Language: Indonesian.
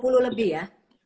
dua puluh lebih ya